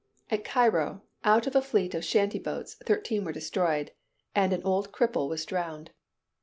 At Cairo, out of a fleet of shanty boats, thirteen were destroyed, and an old cripple was drowned.